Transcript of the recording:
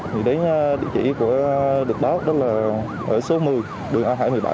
thì đến địa chỉ của trực báo đó là ở số một mươi đường a hai mươi bảy